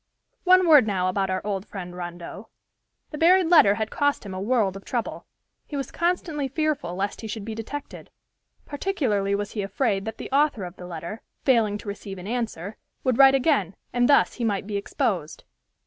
One word now about our old friend Rondeau. The buried letter had cost him a world of trouble. He was constantly fearful lest he should be detected. Particularly was he afraid that the author of the letter, failing to receive an answer, would write again, and thus he might be exposed.